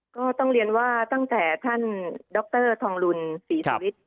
ก็ต้องเรียนว่าตั้งแต่ท่านดรทองลุนศรีทวิทย์